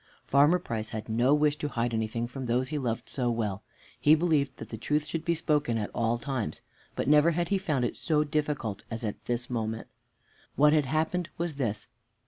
Farmer Price had no wish to hide anything from those he loved so well. He believed that the truth should be spoken at all times, but never had he found it so difficult as at this moment. What had happened was this.